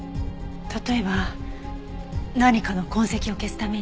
例えば何かの痕跡を消すために。